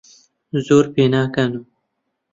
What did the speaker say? زۆر پێناکەنم.